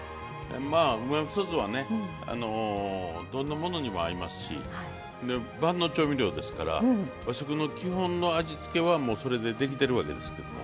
まあうまみそ酢はねどんなものにも合いますし万能調味料ですから和食の基本の味付けはもうそれでできてるわけですけども。